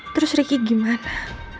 terus riki gimana